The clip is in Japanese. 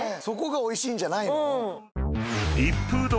そこがおいしいんじゃないの？